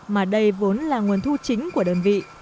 mà đây vốn là nguồn thu chính của đơn vị